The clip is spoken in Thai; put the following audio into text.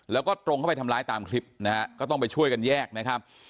แล้วก็ตรงเข้าไปทำร้ายตามคลิปนะฮะก็ต้องไปช่วยกันแยกนะครับ